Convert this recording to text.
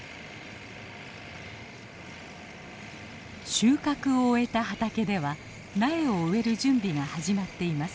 収穫を終えた畑では苗を植える準備が始まっています。